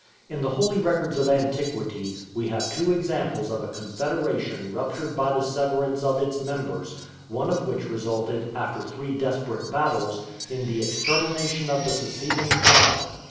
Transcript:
In the holy records of antiquity, we have two examples of a confederation ruptured by the severance of its members; one of which resulted, after three desperate battles, in the extermination of the seceding tribe.